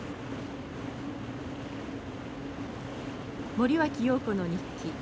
森脇瑤子の日記。